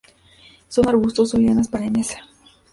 Son arbustos o lianas perennes.